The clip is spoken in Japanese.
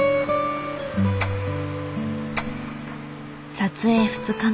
撮影２日目。